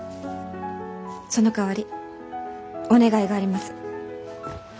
そのかわりお願いがあります。